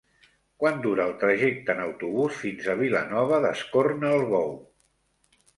Quant dura el trajecte en autobús fins a Vilanova d'Escornalbou?